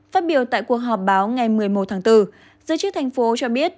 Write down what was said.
phát biểu tại cuộc họp báo ngày một mươi một tháng bốn giới chức thành phố cho biết